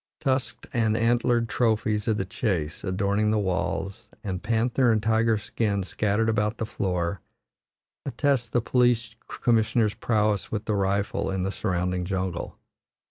Tusked and antlered trophies of the chase adorning the walls, and panther and tiger skins scattered about the floor, attest the police commissioners' prowess with the rifle in the surrounding jungle.